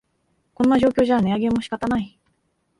こんな状況じゃ値上げも仕方ない